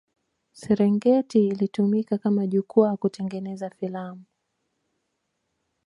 Serengeti ilitumika kama jukwaa kutengeneza filamu